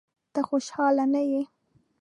ته خوشاله نه یې؟